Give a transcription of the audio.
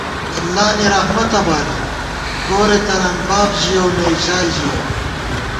اللہ نی رحمتہ بالہ، گورے تران باب ژِیَؤ نئ ژائے ژِیَؤ